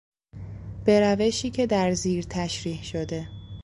به روشی که در زیر تشریح شده